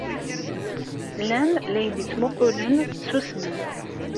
Llan la iyi-d-ttmuqqulen, susmen.